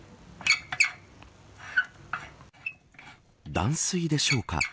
断水でしょうか。